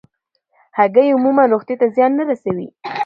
هګۍ عموماً روغتیا ته زیان نه رسوي.